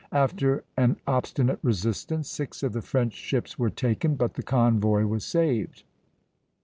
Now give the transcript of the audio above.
After an obstinate resistance, six of the French ships were taken, but the convoy was saved.